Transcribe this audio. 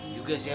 juga sih ya